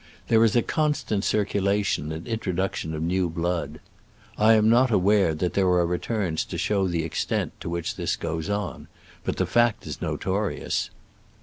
There is a constant circulation and introduction of new blood. I am not aware that there are returns to show the extent to which this goes on, but the fact is notorious.